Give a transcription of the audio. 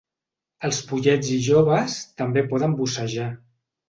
Els pollets i joves també poden bussejar.